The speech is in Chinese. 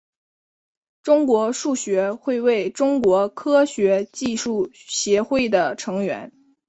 中国数学会为中国科学技术协会的成员。